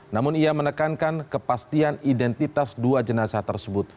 namun ia menekankan kepastian identitas dua jenazah tersebut